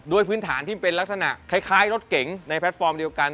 พื้นฐานที่เป็นลักษณะคล้ายรถเก๋งในแพลตฟอร์มเดียวกัน